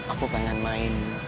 aku pengen main